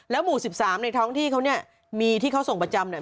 หมู่๑๓ในท้องที่เขาเนี่ยมีที่เขาส่งประจำเนี่ย